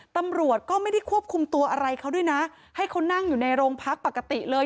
ตำรวจก็ไม่ได้ควบคุมตัวอะไรเขาด้วยนะให้เขานั่งอยู่ในโรงพักปกติเลย